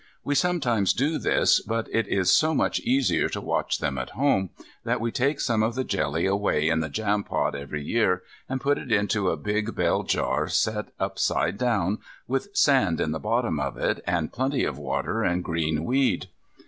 We sometimes do this; but it is so much easier to watch them at home, that we take some of the jelly away in the jampot every year, and put it into a big bell jar set upside down, with sand in the bottom of it, and plenty of water and green weed.